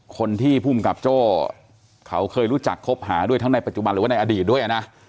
คนที่ภูมิกับโจ้เขาเคยรู้จักคบหาด้วยทั้งในปัจจุบันหรือว่าในอดีตด้วยนะ